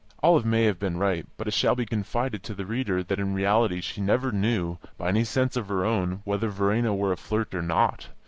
Olive may have been right, but it shall be confided to the reader that in reality she never knew, by any sense of her own, whether Verena were a flirt or not.